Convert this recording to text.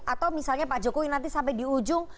atau misalnya pak jokowi nanti sampai di ujung